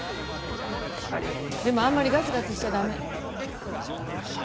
でもあんまりガツガツしちゃ駄目。